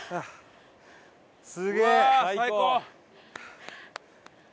すげえ！